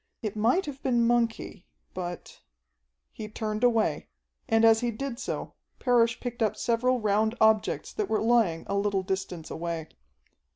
It might have been monkey, but ... he turned away, and as he did so, Parrish picked up several round objects that were lying a little distance away.